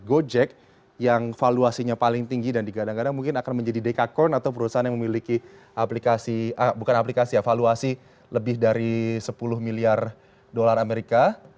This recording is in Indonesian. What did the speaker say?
gojek yang valuasinya paling tinggi dan digadang gadang mungkin akan menjadi dekakorn atau perusahaan yang memiliki aplikasi bukan aplikasi ya valuasi lebih dari sepuluh miliar dolar amerika